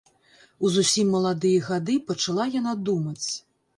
У зусім маладыя гады пачала яна думаць.